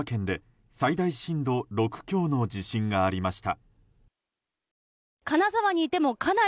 気象庁によると石川県能登で最大震度６強の地震がありました。